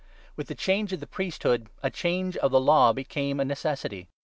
With the 12 change of the priesthood a change of the Law became a necessity.